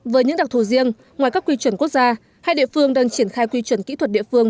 với những đặc thù riêng ngoài các quy chuẩn quốc gia hai địa phương đang triển khai quy chuẩn kỹ thuật địa phương